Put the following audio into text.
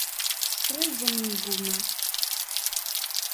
Ttesseɣ iẓem n yigumma.